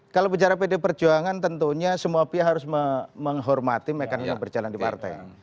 kalau bicara pd perjuangan tentunya semua pihak harus menghormati mekanisme berjalan di partai